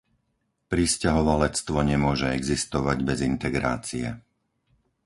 Prisťahovalectvo nemôže existovať bez integrácie.